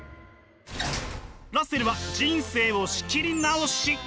ラッセルは人生を仕切り直し！